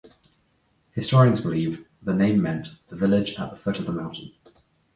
Historians believe the name meant the village at the foot of the mountain.